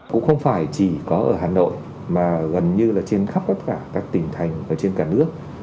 cũng không phải chỉ có ở hà nội mà gần như là trên khắp tất cả các tỉnh thành ở trên cả nước